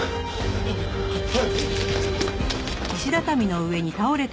ああはい！